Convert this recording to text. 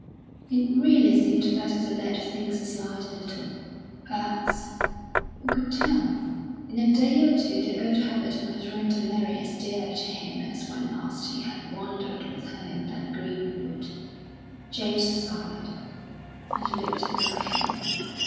It really seemed better to let things slide a little. Perhaps who could tell? in a day or two the old habit might render Mary as dear to him as when last he had wandered with her in that green wood, James sighed, and looked about him....